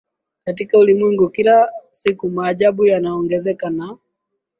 Katika ulimwengu kila siku maajabu yanaongezeka na